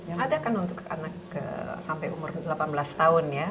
yang ada kan untuk anak sampai umur delapan belas tahun ya